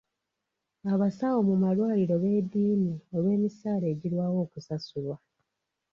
Abasawo mu malwaliro beediimye olw'emisaala egirwawo okusasulwa.